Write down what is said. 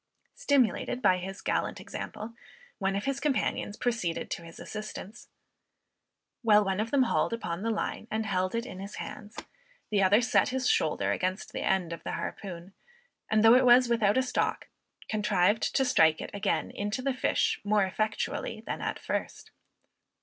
Stimulated by his gallant example, one of his companions proceeded to his assistance. While one of them hauled upon the line and held it in his hands, the other set his shoulder against the end of the harpoon, and though it was without a stock, contrived to strike it again into the fish more effectually than at first!